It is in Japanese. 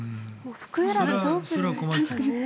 服選びどうするんですか。